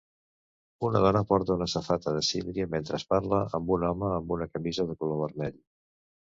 Una dona porta una safata de síndria mentre parla amb un home amb una camisa de color vermell.